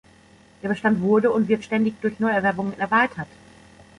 Der Bestand wurde und wird ständig durch Neuerwerbungen erweitert.